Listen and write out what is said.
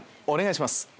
お願いします。